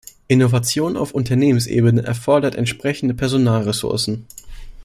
Innovation auf Unternehmensebene erfordert entsprechende Personalressourcen.